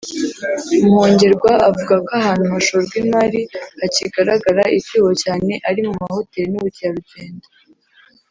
Muhongerwa avuga ko ahantu hashorwa imari hakigaragara icyuho cyane ari mu mahoteli n’ubukerarugendo